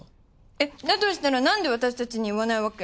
えっだとしたらなんで私たちに言わないわけ？